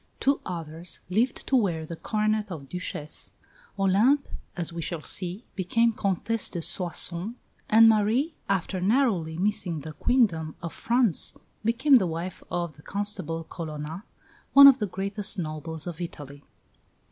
two others lived to wear the coronet of Duchess; Olympe, as we shall see, became Comtesse de Soissons; and Marie, after narrowly missing the Queendom of France, became the wife of the Constable Colonna, one of the greatest nobles of Italy.